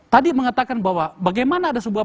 tadi mengatakan bahwa bagaimana ada sebuah